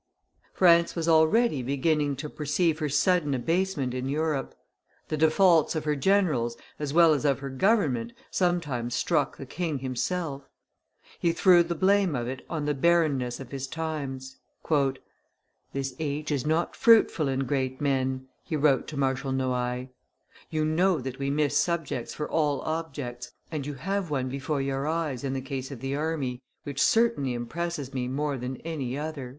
France was already beginning to perceive her sudden abasement in Europe; the defaults of her generals as well as of her government sometimes struck the king himself; he threw the blame of it on the barrenness of his times. "This age is not fruitful in great men," he wrote to Marshal Noailles: "you know that we miss subjects for all objects, and you have one before your eyes in the case of the army which certainly impresses me more than any other."